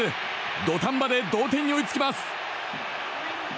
土壇場で同点に追いつきます。